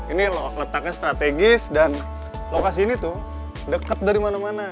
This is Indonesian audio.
ini letaknya strategis dan lokasi ini tuh dekat dari mana mana